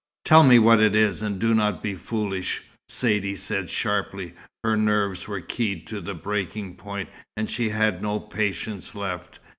"Tell me what it is, and do not be foolish," Saidee said sharply. Her nerves were keyed to the breaking point, and she had no patience left.